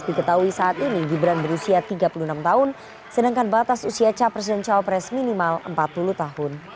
diketahui saat ini gibran berusia tiga puluh enam tahun sedangkan batas usia capres dan cawapres minimal empat puluh tahun